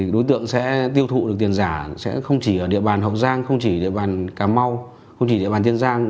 đối tượng sẽ tiêu thụ được tiền giả sẽ không chỉ ở địa bàn hậu giang không chỉ địa bàn cà mau không chỉ địa bàn tiên giang